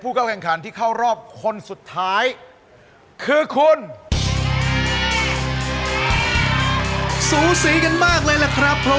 ผู้เข้าแข่งขันทั้ง๔ท่านครับ